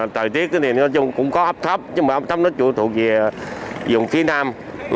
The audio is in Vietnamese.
tời tiết thì nói chung cũng có ấp thấp nhưng mà ấp thấp nó chủ thuộc về vùng phía nam